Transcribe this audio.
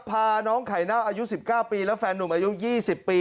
พาน้องไข่เน่าอายุสิบเก้าปีแล้วแฟนนุ่มอายุยี่สิบปี